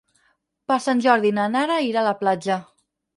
Per Sant Jordi na Nara irà a la platja.